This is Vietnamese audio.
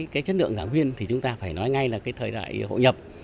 cái chất lượng giảng viên thì chúng ta phải nói ngay là cái thời đại hội nhập